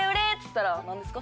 「何ですか？